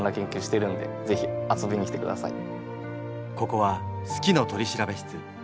ここは「好きの取調室」。